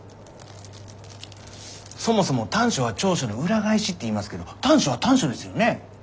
そもそも短所は長所の裏返しって言いますけど短所は短所ですよね？